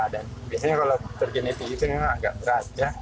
dan biasanya kalau faktor genetik itu memang agak berat